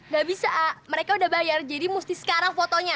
gak bisa mereka udah bayar jadi mesti sekarang fotonya